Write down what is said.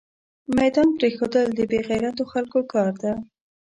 ميدان پريښودل دبې غيرتو خلکو کار ده